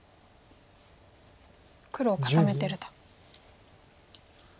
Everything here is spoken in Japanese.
黒を固めてると。